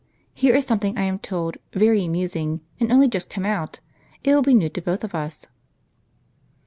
Here is something, I am told, very amusing, and only just come out. It will be new to both of us."